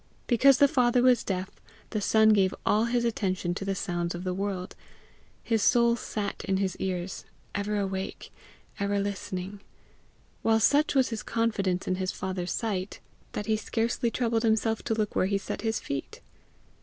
Because the father was deaf, the son gave all his attention to the sounds of the world; his soul sat in his ears, ever awake, ever listening; while such was his confidence in his father's sight, that he scarcely troubled himself to look where he set his feet.